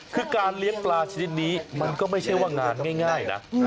คือการเลี้ยงปลาชนิดนี้มันก็ไม่ใช่ว่างานง่ายนะ